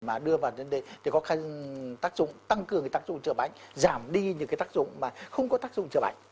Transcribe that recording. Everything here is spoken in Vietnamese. mà đưa vào trên đây thì có khách tác dụng tăng cường tác dụng chữa bệnh giảm đi những tác dụng mà không có tác dụng chữa bệnh